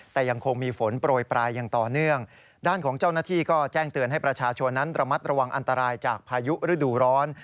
แต่ยังคงมีฝนโปรยปลายอย่างต่อเนื่องด้านของเจ้าหน้าที่ก็แจ้งเตือนให้ประชาชนนั้นระมัดระวังอันตรายจากพายุฤดูร้อน